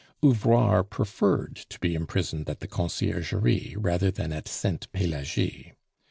Ouvrard preferred to be imprisoned at the Conciergerie rather than at Sainte Pelagie.